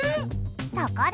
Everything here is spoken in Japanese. そこで！